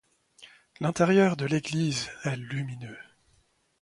L’intérieur de l’église est lumineux.